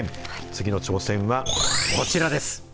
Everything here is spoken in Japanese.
次の挑戦はこちらです。